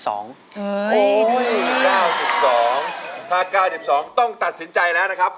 โอ้โห๙๒ถ้า๙๒ต้องตัดสินใจแล้วนะครับ